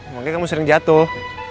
makanya kamu sering jatuh